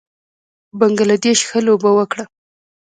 بنګله دېش ښه لوبه وکړه